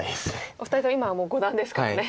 お二人とも今はもう五段ですからね。